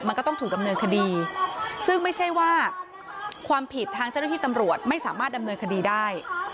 มันก็ต้องถูกดำเนินคดีซึ่งไม่ใช่ว่าความผิดทางเจ้าหน้าที่ตำรวจไม่สามารถดำเนินคดีได้